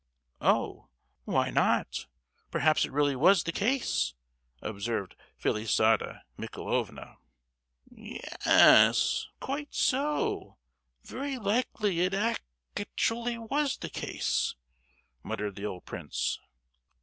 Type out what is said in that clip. "Oh, why not? Perhaps it really was the case," observed Felisata Michaelovna. "Ye—yes, quite so, very likely it act—ually was the case," muttered the old prince.